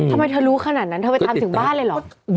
ทำไมเธอรู้ขนาดนั้นเธอไปตามถึงบ้านเลยเหรอ